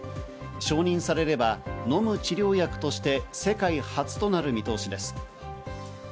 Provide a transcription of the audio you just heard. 承認されれば飲む治療薬として世界初となる見通しです。